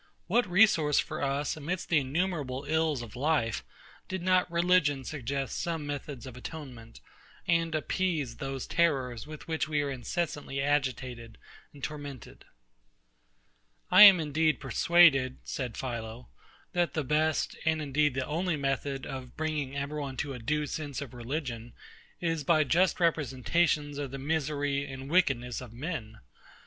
what resource for us amidst the innumerable ills of life, did not religion suggest some methods of atonement, and appease those terrors with which we are incessantly agitated and tormented? I am indeed persuaded, said PHILO, that the best, and indeed the only method of bringing every one to a due sense of religion, is by just representations of the misery and wickedness of men.